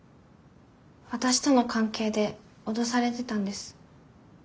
私との関係で脅されてたんです。